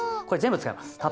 これ全部使います。